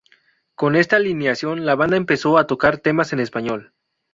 Con esta alineación la banda empezó a tocar temas en español.